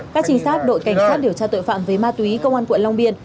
các trinh sát đội cảnh sát điều tra tội phạm với ma túy cơ quan quận long biên